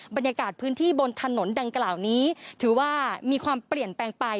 บรรยากาศพื้นที่บนถนนดังกล่าวนี้ถือว่ามีความเปลี่ยนแปลงไป